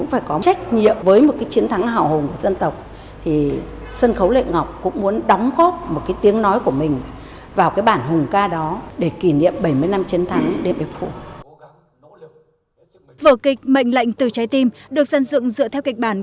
vở kịch mệnh lệnh từ trái tim được dân dựng dựa theo kịch bản